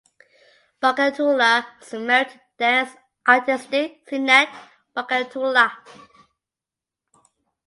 Barkatullah was married to dance artiste Zeenat Barkatullah.